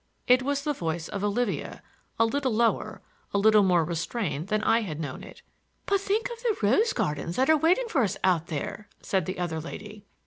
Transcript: It was the voice of Olivia, a little lower, a little more restrained than I had known it. "But think of the rose gardens that are waiting for us out there!" said the other lady.